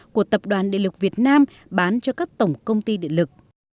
của tập đoàn địa lực việt nam bán cho các tổng công ty điện lực